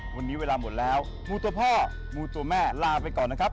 วันนี้เวลาหมดแล้วมูตัวพ่อมูตัวแม่ลาไปก่อนนะครับ